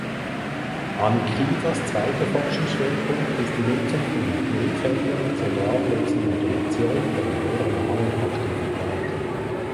Anikeevas zweiter Forschungsschwerpunkt ist die Nutzung von Magnetfeldern zur drahtlosen Modulation der neuronalen Aktivität.